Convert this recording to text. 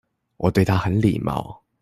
我對他很禮貌